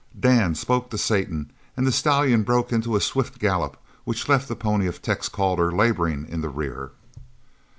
Dan spoke to Satan and the stallion broke into a swift gallop which left the pony of Tex Calder labouring in the rear.